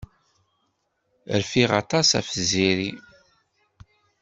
Rfiɣ aṭas ɣef Tiziri.